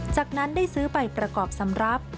จากนั้นได้ซื้อไปประกอบสำหรับ